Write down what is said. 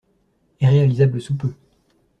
Et réalisable sous peu.